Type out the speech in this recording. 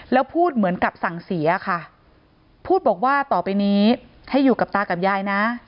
แล้วพูดเหมือนกับสั่งเสียค่ะพูดบอกว่าต่อไปนี้ให้อยู่กับตากับยายนะ